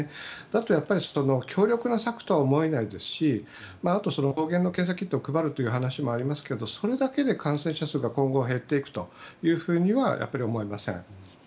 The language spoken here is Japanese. だと強力な策とは思えないですし抗原の検査キットを配るという話もありますがそれだけで感染者数が今後減っていくというふうにはやっぱり思えません。